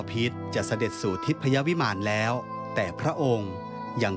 เพราะตามนั้น